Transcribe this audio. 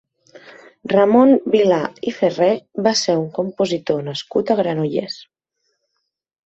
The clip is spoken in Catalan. Ramon Vilà i Ferrer va ser un compositor nascut a Granollers.